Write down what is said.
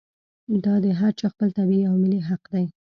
دا د هر چا خپل طبعي او ملي حق دی.